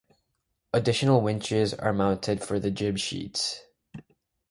Additional winches are mounted for the jib sheets.